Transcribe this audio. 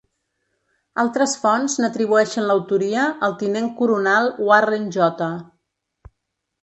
Altres fonts n'atribueixen l'autoria al tinent coronal Warren J.